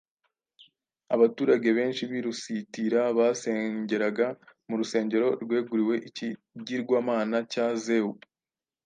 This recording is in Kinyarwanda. Abaturage benshi b’i Lusitira basengeraga mu rusengero rweguriwe ikigirwamana cya Zewu.